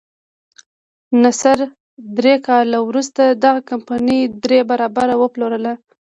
نصر درې کاله وروسته دغه کمپنۍ درې برابره وپلورله.